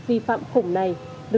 em muốn bốn câu ạ